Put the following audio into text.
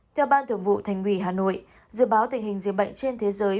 theo ban thượng vụ thành quỷ hà nội dự báo tình hình diễn bệnh trên thế giới